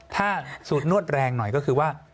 ถ้าสูตรนวดแรงหน่อยก็คือว่า